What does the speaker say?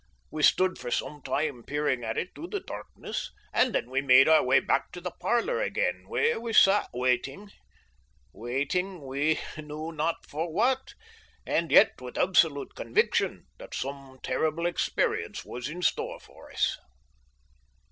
We stood for some little time peering at it through the darkness, and then we made our way back to the parlour again, where we sat waiting waiting, we knew not for what, and yet with absolute conviction that some terrible experience was in store for us.